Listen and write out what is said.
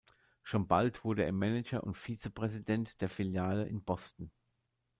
Schon bald wurde er Manager und Vizepräsident der Filiale in Boston.